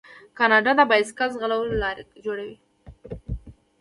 کاناډا د بایسکل ځغلولو لارې جوړوي.